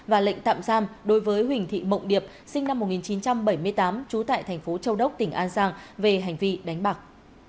và lệnh tạm giam đối với huỳnh thị mộng điệp sinh năm một nghìn chín trăm bảy mươi tám trú tại thành phố châu đốc tỉnh an giang về hành vi đánh bạc